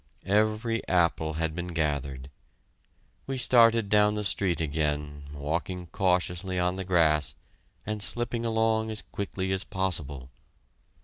Every apple had been gathered. We started down the street again, walking cautiously on the grass, and slipping along as quickly as possible.